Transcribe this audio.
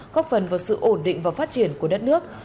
góp phần vào sự ổn định và phát triển của đất nước